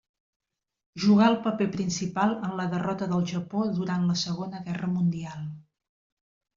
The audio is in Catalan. Jugà el paper principal en la derrota del Japó durant la Segona Guerra Mundial.